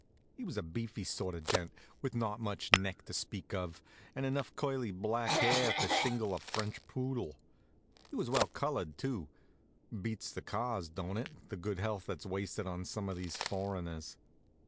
He was a beefy sort of gent, with not much neck to speak of, and enough curly black hair to shingle a French poodle. He was well colored, too. Beats the cars, don't it, the good health that's wasted on some of these foreigners?